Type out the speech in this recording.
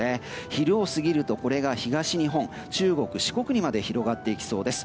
昼を過ぎると、これが東日本中国・四国にまで広がっていきそうです。